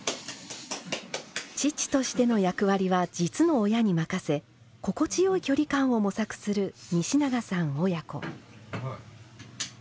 父としての役割は実の親に任せ心地よい距離感を模索する西永さん親子。